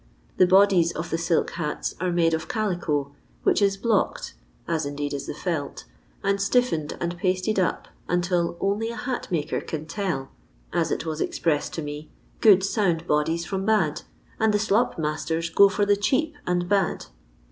The bodies of { the silk hats are made of calico, which is blocked (as indeed is the felt) and stiffened and pasted up | until " only a hat maker can tell," as it was ex pressed to me, " good sound bodies from btd ; and the slop masters go for the cheap and bad."